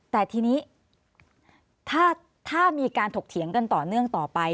แต่ทีนี้ถ้ามีการถกเถียงกันต่อเนื่องต่อไป